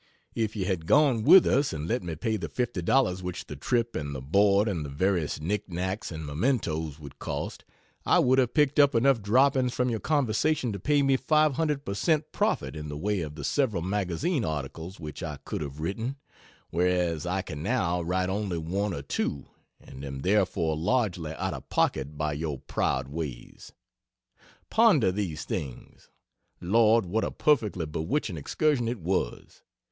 If you had gone with us and let me pay the $50 which the trip and the board and the various nicknacks and mementoes would cost, I would have picked up enough droppings from your conversation to pay me 500 per cent profit in the way of the several magazine articles which I could have written, whereas I can now write only one or two and am therefore largely out of pocket by your proud ways. Ponder these things. Lord, what a perfectly bewitching excursion it was!